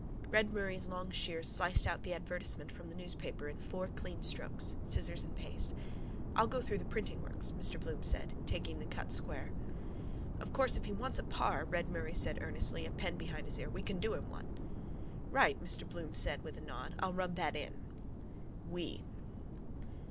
Red Murray's long shears sliced out the advertisement from the newspaper in four clean strokes. Scissors and paste. —I'll go through the printingworks, Mr Bloom said, taking the cut square. —Of course, if he wants a par, Red Murray said earnestly, a pen behind his ear, we can do him one. —Right, Mr Bloom said with a nod. I'll rub that in. We.